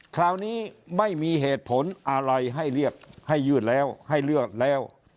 คราวนี้ไม่มีเหตุผลอะไรให้เรียบให้ยืดแล้วให้เลือกแล้ว